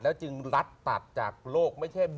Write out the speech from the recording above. เสริมดวงมากขึ้นครับ